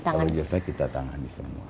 iya kalau jiwasraya kita tangani semua